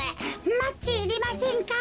マッチいりませんか？